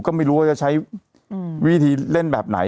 ก็ไม่รู้ว่าจะใช้วิธีเล่นแบบไหน